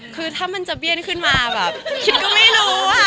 คือถ้ามันจะเบี้ยนขึ้นมาแบบคิดก็ไม่รู้อ่ะ